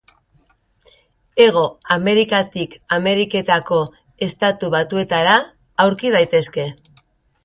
Hego Amerikatik Ameriketako Estatu Batuetara aurki daitezke.